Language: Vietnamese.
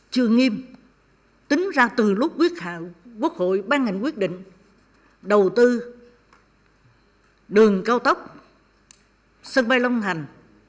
chưa nghiêm tính ra từ lúc quyết hạo quốc hội ban hành quyết định đầu tư đường cao tốc sân bay long thành